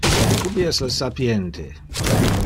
Ubi es le sapiente?